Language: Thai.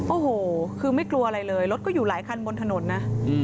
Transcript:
โอ้โหคือไม่กลัวอะไรเลยรถก็อยู่หลายคันบนถนนนะ